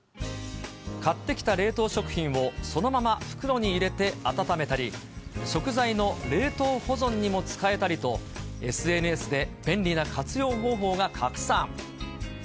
買ってきた冷凍食品をそのまま袋に入れて温めたり、食材の冷凍保存にも使えたりと、ＳＮＳで便利な活用方法が拡散。